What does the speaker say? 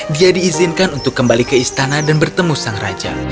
dia diizinkan untuk kembali ke istana dan bertemu sang raja